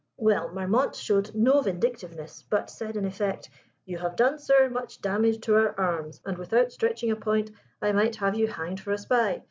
"Well, Marmont showed no vindictiveness, but said in effect, 'You have done, sir, much damage to our arms, and without stretching a point I might have you hanged for a spy.